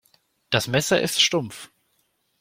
Das Messer ist stumpf.